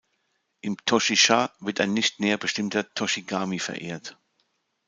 Im "Toshi-sha" wird ein nicht näher bestimmter Toshi-gami verehrt.